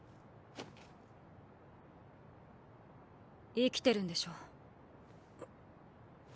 生きてるんでしょ？